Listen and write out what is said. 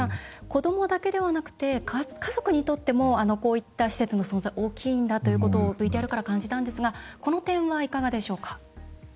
子どもだけではなくて家族にとってもこういった施設の存在は大きいんだということをＶＴＲから感じたんですがこの点は、いかがでしょうか？